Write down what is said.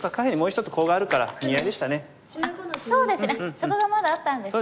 そこがまだあったんですね。